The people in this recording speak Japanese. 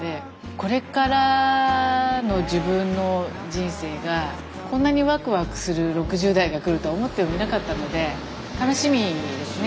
これからの自分の人生がこんなにワクワクする６０代が来るとは思ってもみなかったので楽しみですね